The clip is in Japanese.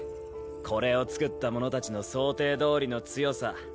これを作った者たちの想定どおりの強さ。